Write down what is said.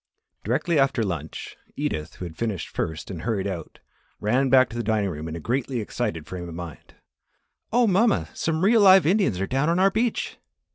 Directly after lunch, Edith, who had finished first and hurried out, ran back to the dining room in a greatly excited frame of mind. "Oh, mamma! Some real live Indians are down on our beach."